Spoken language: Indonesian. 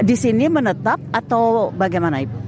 di sini menetap atau bagaimana ibu